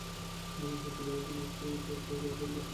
হয়তো তোমার জন্য স্থায়ী পরিবার খুঁজতে যথেষ্ট ভাগ্যবান ছিলাম না আমরা।